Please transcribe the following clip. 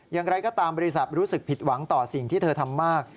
อย่างไรก็ตามบริษัทรู้สึกผิดหวังต่อสิ่งที่เธอทำมาก